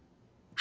は？